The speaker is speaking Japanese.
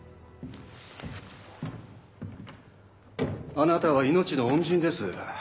あなたは命の恩人です。